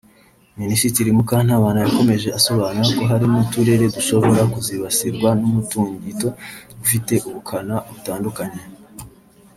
Mininisitiri Mukantabana yakomeje asobanura ko hari n’uturere dushobora kuzibasirwa n’umutungito ufite ubukana butandukanye